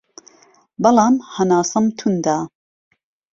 بەڵام هەناسەم توندە